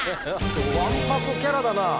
わんぱくキャラだな。